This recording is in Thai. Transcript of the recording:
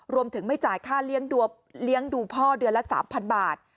รวมถึงไม่จ่ายค่าเลี้ยงดูว์พ่อเดือนละ๓๐๐๐บาท